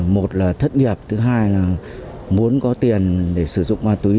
một là thất nghiệp thứ hai là muốn có tiền để sử dụng ma túy